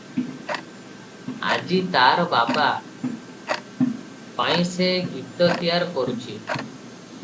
ଆଜି ତାର ବାବା- ପାଇଁ ସେ ଗୀତ ତିଆର କରୁଚି ।